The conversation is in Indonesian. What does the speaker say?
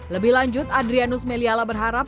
lebih lanjut adrianus meliala berharap